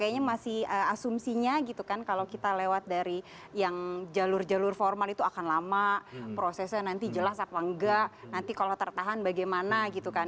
kayaknya masih asumsinya gitu kan kalau kita lewat dari yang jalur jalur formal itu akan lama prosesnya nanti jelas apa enggak nanti kalau tertahan bagaimana gitu kan